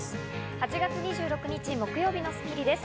８月２６日、木曜日の『スッキリ』です。